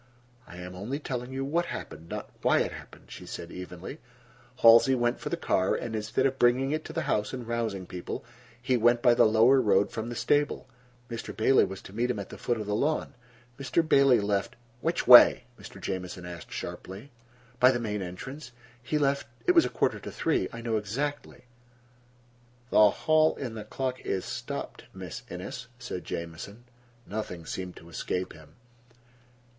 "I am only telling you what happened, not why it happened," she said evenly. "Halsey went for the car, and instead of bringing it to the house and rousing people, he went by the lower road from the stable. Mr. Bailey was to meet him at the foot of the lawn. Mr. Bailey left—" "Which way?" Mr. Jamieson asked sharply. "By the main entrance. He left—it was a quarter to three. I know exactly." "The clock in the hall is stopped, Miss Innes," said Jamieson. Nothing seemed to escape him.